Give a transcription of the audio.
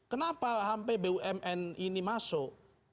kenapa sampai bumn ini masuk